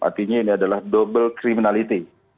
artinya ini adalah double criminality